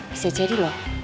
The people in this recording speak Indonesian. bisa jadi loh